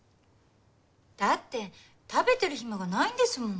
だって食べてる暇がないんですもの。